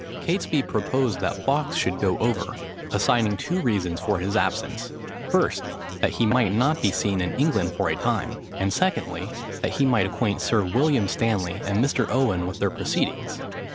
Catesby proposed that Fawkes should go over, assigning two reasons for his absence; first, that he might not be seen in England for a time; and secondly, that he might acquaint Sir William Stanley and Mr. Owen with their proceedings.